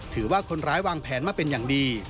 ถือว่าคนร้ายวางแผนมาเป็นอย่างดี